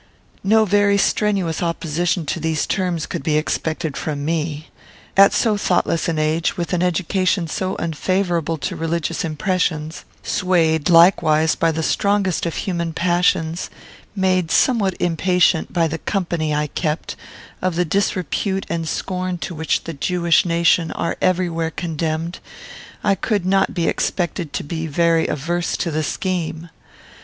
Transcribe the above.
"No very strenuous opposition to these terms could be expected from me. At so thoughtless an age, with an education so unfavourable to religious impressions; swayed, likewise, by the strongest of human passions; made somewhat impatient, by the company I kept, of the disrepute and scorn to which the Jewish nation are everywhere condemned, I could not be expected to be very averse to the scheme.